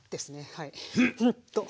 はい。